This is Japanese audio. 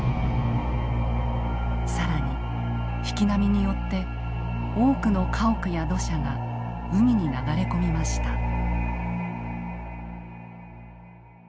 更に引き波によって多くの家屋や土砂が海に流れ込みました。